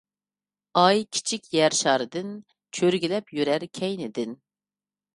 ئاي كىچىك يەر شارىدىن ، چۆرگۈلەپ يۈرەر كەينىدىن.